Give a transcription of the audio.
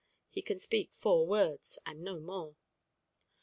(He can speak four words, and no more.)